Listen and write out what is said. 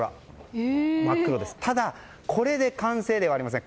ただ、これで完成ではありません。